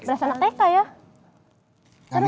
terasa enak teh kayaknya